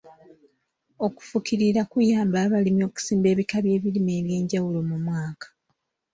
Okufukirira kuyamba abalimi okusimba ebika by'ebirime eby'enjawulo mu mwaka.